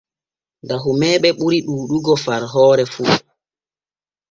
Dahumeeɓe ɓuri ɗuuɗugo far hoore fuɗo.